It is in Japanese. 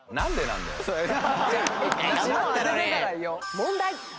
問題。